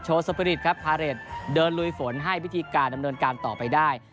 สปิริตครับพาเรทเดินลุยฝนให้วิธีการดำเนินการต่อไปได้